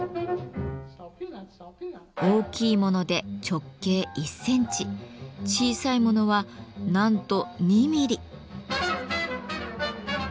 大きいもので直径１センチ小さいものはなんと２ミリ。